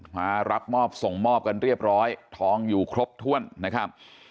มารับมอบส่งมอบกันเรียบร้อยทองอยู่ครบถ้วนนะครับ